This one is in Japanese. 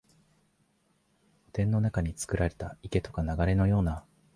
御殿の中につくられた池とか流れのような、